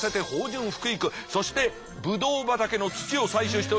そしてぶどう畑の土を採取しております。